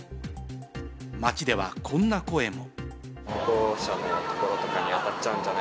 街ではこんな声も。